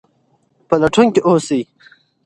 پلټونکي اوسئ.